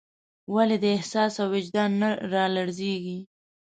ولې دې احساس او وجدان نه رالړزېږي.